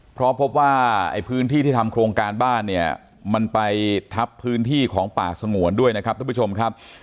เพราะพบว่าไอ้พื้นที่ที่ทำโครงการบ้านเนี่ยมันไปทับพื้นที่ของป่าสงวนด้วยนะครับทุกผู้ชมครับ